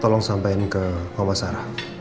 tolong sampein ke mama sarah